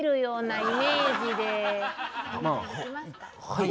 はい。